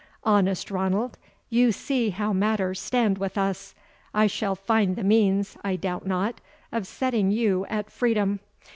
Honest Ranald, you see how matters stand with us. I shall find the means, I doubt not, of setting you at freedom.